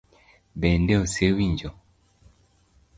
Bende osewinjo?